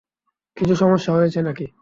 কিছু সমস্যা হয়েছে নাকি?